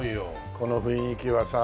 この雰囲気はさ